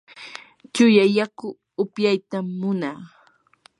chuya yaku upyaytam munaa.